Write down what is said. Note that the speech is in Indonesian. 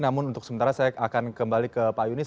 namun untuk sementara saya akan kembali ke pak yunis